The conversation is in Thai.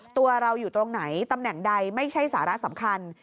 ตัวเราอยู่ตรงไหนตำแหน่งใดไม่ใช่สาระสำคัญ